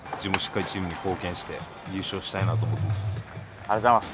ありがとうございます。